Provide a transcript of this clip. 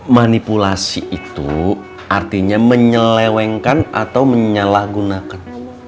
manipulasi itu artinya menyelewengkan atau menyalahgunakan